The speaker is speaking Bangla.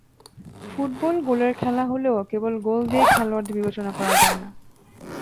ফুটবল গোলের খেলা হলেও কেবল গোল দিয়েই খেলোয়াড়দের বিবেচনা করা যায় না।